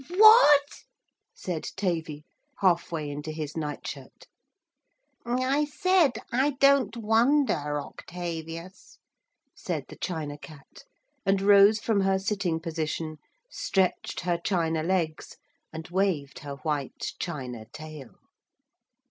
'What!' said Tavy, half way into his night shirt. 'I said, I don't wonder, Octavius,' said the China Cat, and rose from her sitting position, stretched her china legs and waved her white china tail.